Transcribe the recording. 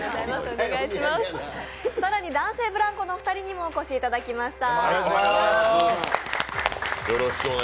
更に男性ブランコのお二人にもお越しいただきました。